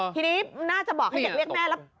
ทีนี้น่าจะบอกให้เด็กเรียกแม่แล้ว